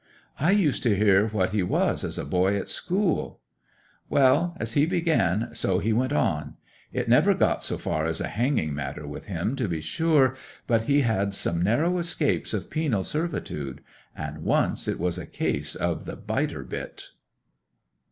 'I used to hear what he was as a boy at school.' 'Well, as he began so he went on. It never got so far as a hanging matter with him, to be sure; but he had some narrow escapes of penal servitude; and once it was a case of the biter bit.